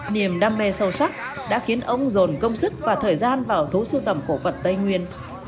niềm đam mê sâu sắc đã khiến ông dồn công sức và thời gian vào thú sưu tầm cổ vật tây nguyên